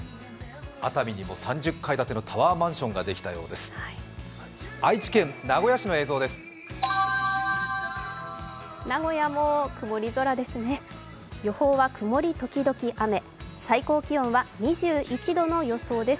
熱海にも３０階建てのタワーマンションができたようです。